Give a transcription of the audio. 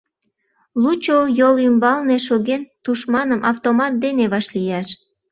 Лучо йол ӱмбалне шоген, тушманым автомат дене вашлияш.